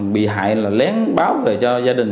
bị hại là lén báo về cho gia đình